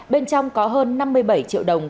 bên trong có hơn năm mươi bảy triệu đồng